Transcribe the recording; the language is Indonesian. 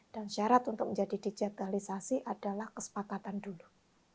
dan syarat untuk menjadi digitalisasi adalah kesepakatan dulu